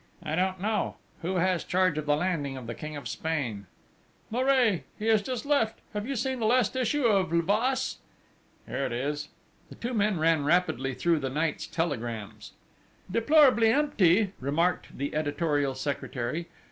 "I don't know. Who has charge of the landing of the King of Spain?" "Maray. He has just left. Have you seen the last issue of l'Havas?" "Here it is...." The two men ran rapidly through the night's telegrams. "Deplorably empty!" remarked the editorial secretary.